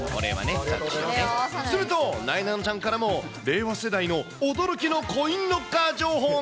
すると、なえなのちゃんからも令和世代の驚きのコインロッカー情報が。